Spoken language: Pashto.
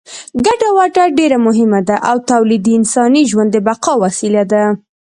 ګټه وټه ډېره مهمه ده او تولید د انساني ژوند د بقا وسیله ده.